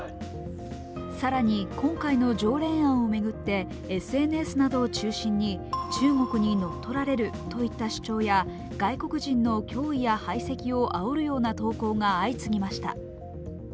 更に今回の条例案を巡ってＳＮＳなどを中心に中国に乗っ取られるといった主張や外国人の脅威や排斥をあおるような投稿が相次ぎました。